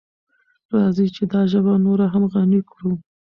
راځئ چې دا ژبه نوره هم غني کړو.